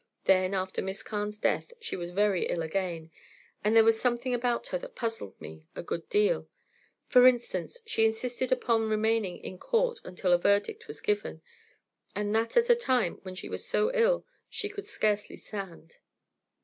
Then after Miss Carne's death she was very ill again, and there was something about her that puzzled me a good deal. For instance, she insisted upon remaining in court until the verdict was given, and that at a time when she was so ill she could scarcely stand.